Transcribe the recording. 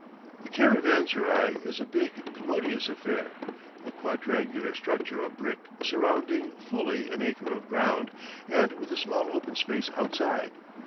The caravanserai is a big, commodious affair, a quadrangular structure of brick surrounding fully an acre of ground, and with a small open space outside.